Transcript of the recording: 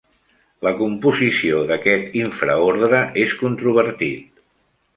La composició d'aquest infraordre és controvertit.